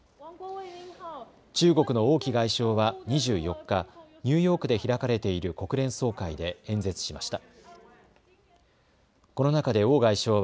中国の王毅外相は２４日、ニューヨークで開かれている国連総会で演説しました。